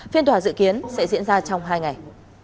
phiên tòa dự kiến sẽ diễn ra trong hai ngày